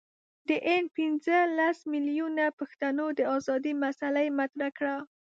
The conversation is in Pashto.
د هند پنځه لس میلیونه پښتنو د آزادی مسله یې مطرح کړه.